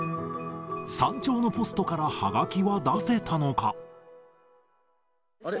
山頂のポストから、はがきは出せあれ？